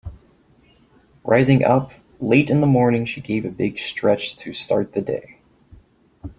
Rising up late in the morning she gave a big stretch to start the day.